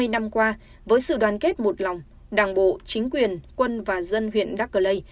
năm mươi năm qua với sự đoàn kết một lòng đảng bộ chính quyền quân và dân huyện đắc lê